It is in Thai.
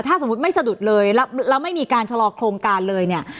ถ้าสมมุติไม่สะดุดเลยแล้วไม่มีการชะลอโครงการเลยเนี่ย